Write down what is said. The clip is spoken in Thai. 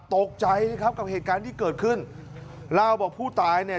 ตกใจนะครับกับเหตุการณ์ที่เกิดขึ้นเล่าบอกผู้ตายเนี่ย